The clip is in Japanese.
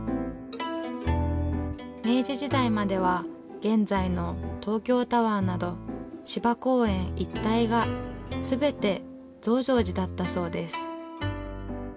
明治時代までは現在の東京タワーなど芝公園一帯が全て増上寺だったそうです。